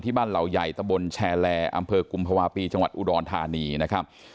บ้านเหล่าใหญ่ตะบนแชร์แลอำเภอกุมภาวะปีจังหวัดอุดรธานีนะครับ